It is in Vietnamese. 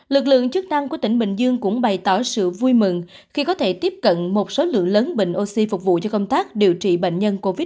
lực lượng chức năng của tỉnh bình dương cũng bày tỏ sự vui mừng khi có thể tiếp cận một số lượng lớn bình oxy phục vụ cho công tác điều trị bệnh nhân covid một mươi chín